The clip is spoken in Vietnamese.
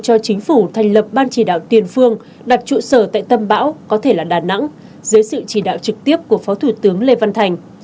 cho chính phủ thành lập ban chỉ đạo tiền phương đặt trụ sở tại tâm bão có thể là đà nẵng dưới sự chỉ đạo trực tiếp của phó thủ tướng lê văn thành